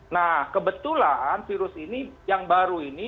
nah kebetulan virus ini yang baru ini